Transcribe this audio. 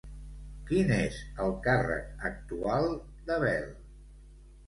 Quin és el càrrec actual de Bel?